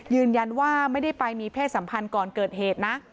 ยืนยันว่าไม่ได้ไปมีเพศสัมพันธ์ก่อนเกิดเหตุนะ